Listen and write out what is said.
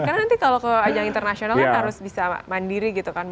karena nanti kalau ke ajang internasional harus bisa mandiri gitu kan